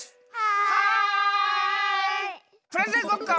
はい！